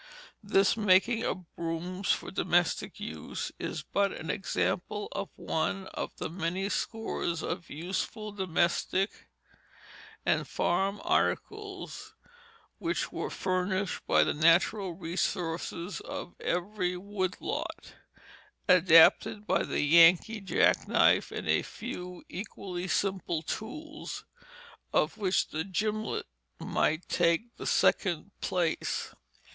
This making of brooms for domestic use is but an example of one of the many score of useful domestic and farm articles which were furnished by the natural resources of every wood lot, adapted by the Yankee jack knife and a few equally simple tools, of which the gimlet might take the second place.